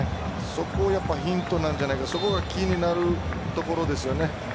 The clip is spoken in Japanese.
そこはやっぱりヒントになんじゃないか気になるところですよね。